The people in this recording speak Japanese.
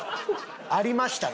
ありましたね。